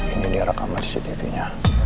ini direkaman cctv ini